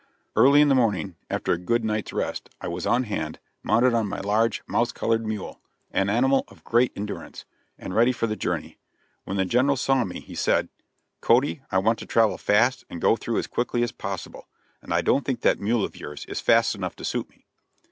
Early in the morning, after a good night's rest, I was on hand, mounted on my large mouse colored mule an animal of great endurance and ready for the journey; when the General saw me, he said: "Cody, I want to travel fast and go through as quickly as possible, and I don't think that mule of yours is fast enough to suit me."